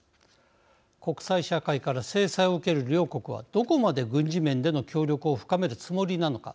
国際社会から制裁を受ける両国はどこまで軍事面での協力を深めるつもりなのか。